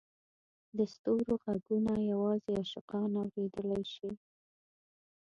د ستورو ږغونه یوازې عاشقان اورېدلای شي.